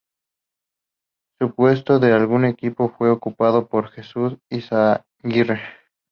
Su puesto en el equipo fue ocupado por Jesús Izaguirre.